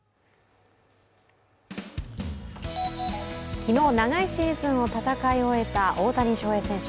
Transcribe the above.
昨日、長いシーズンを戦い終えた大谷翔平選手。